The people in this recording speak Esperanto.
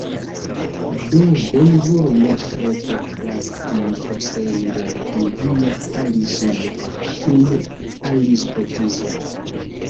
Do bonvolu ne tro prokrasti forsendon de via aliĝilo kun aliĝkotizo.